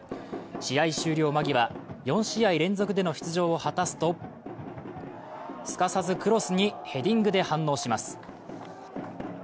試合終了間際、４試合連続での出場を果たすと、すかさずクロスにヘディングで反応します。